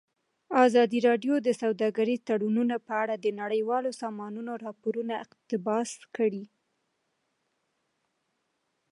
ازادي راډیو د سوداګریز تړونونه په اړه د نړیوالو سازمانونو راپورونه اقتباس کړي.